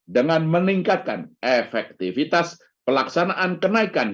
dengan meningkatkan efektivitas pelaksanaan kenaikan